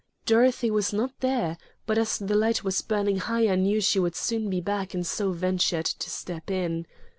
Dorothy was not there; but as the light was burning high I knew she would soon be back and so ventured to step in.